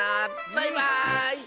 バイバーイ！